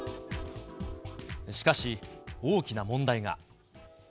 しかし、大きな問題が。